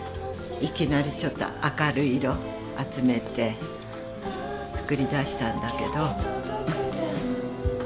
いきなりちょっと明るい色集めて作りだしたんだけど。